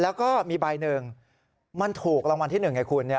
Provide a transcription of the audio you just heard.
แล้วก็มีใบหนึ่งมันถูกรางวัลที่๑ไงคุณ